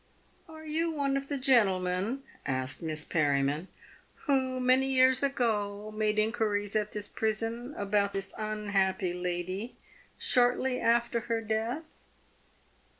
"Are you one .of the gentlemen," asked Miss Perriman, "who, many years ago, made inquiries at this prison about this unhappy lady, shortly after her death